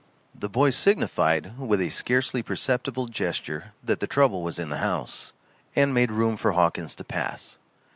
The boy signified with a scarcely perceptible gesture that the trouble was in the house, and made room for Hawkins to pass.